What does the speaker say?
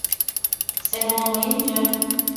Sen olmayınca